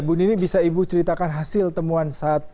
bu nini bisa ibu ceritakan hasil temuan saat